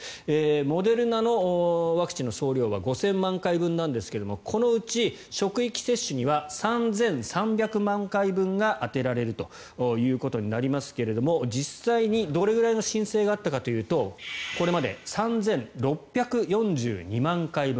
モデルナのワクチンの総量は５０００万回分なんですけれどもこのうち職域接種には３３００万回分が充てられるということになりますが実際にどれぐらいの申請があったかというとこれまで３６４２万回分。